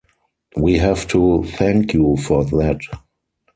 We have to thank you for that.